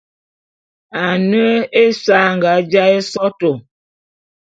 Ane ésa anga jaé sotô.